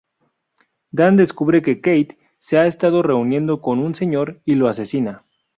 Dan descubre que Katie se ha estado reuniendo con un "Señor" y lo asesina.